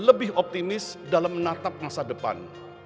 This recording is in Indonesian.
dan lebih optimis dalam menatap masa depan